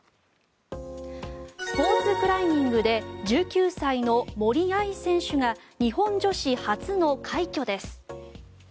スポーツクライミングで１９歳の森秋彩選手が日本女子初の快挙です。